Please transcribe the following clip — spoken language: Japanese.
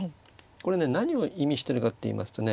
これね何を意味してるのかっていいますとね